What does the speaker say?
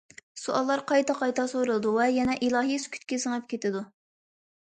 سوئاللار قايتا- قايتا سورىلىدۇ ۋە يەنە ئىلاھىي سۈكۈتكە سىڭىپ كېتىدۇ.